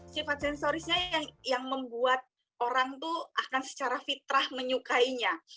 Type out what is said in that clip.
sifat sensorisnya yang membuat orang itu akan secara fitrah menyukainya